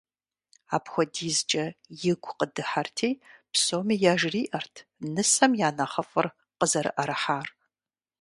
АпхуэдизкӀэ игу къыдыхьэрти, псоми яжриӀэрт нысэм я нэхъыфӀыр къызэрыӀэрыхьар.